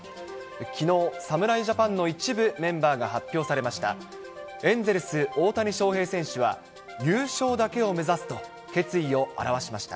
きのう、侍ジャパンの一部メンバーが発表されました。